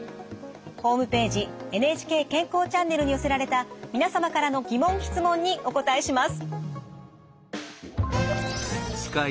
ホームページ「ＮＨＫ健康チャンネル」に寄せられた皆様からの疑問・質問にお答えします。